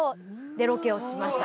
でロケをしました。